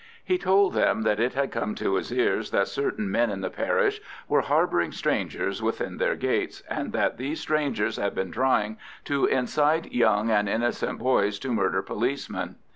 He told them that it had come to his ears that certain men in the parish were harbouring strangers within their gates, and that these strangers had been trying to incite young and innocent boys to murder policemen.